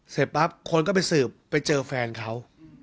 เสร็จปั๊บคนก็ไปสืบไปเจอแฟนเขา